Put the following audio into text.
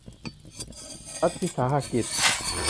รัฐวิสาหกิจ